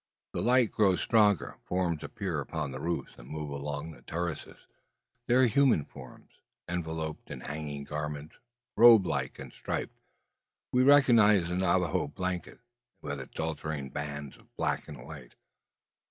The light grows stronger. Forms appear upon the roofs and move along the terraces. They are human forms enveloped in hanging garments, robe like and striped. We recognise the Navajo blanket, with its alternate bands of black and white.